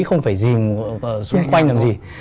không phải dìm xung quanh làm gì